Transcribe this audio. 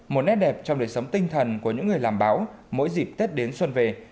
một nét đẹp trong đời sống tinh thần của những người làm báo mỗi dịp tết đến xuân về